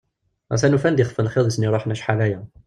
Atan ufan-d ixef n lxiḍ i asen-iruḥen acḥal-aya.